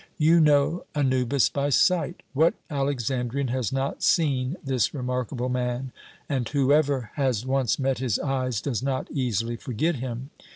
You know Anubis by sight. What Alexandrian has not seen this remarkable man? and whoever has once met his eyes does not easily forget him.